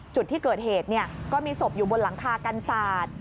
จุดที่เกิดเหตุก็มีศพอยู่บนหลังคากันศาสตร์